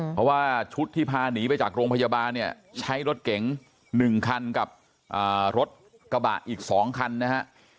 เพราะว่าชุดที่พาหนีไปจากโรงพยาบาลเนี่ยใช้รถเก๋ง๑คันกับรถกระบะอีก๒คันนะฮะ